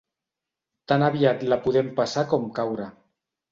Tan aviat la podem passar com caure.